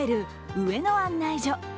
上野案内所。